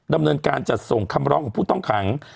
ดำเนินการจัดส่งคำร้องของผู้ต้องขัง